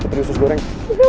putri sus goreng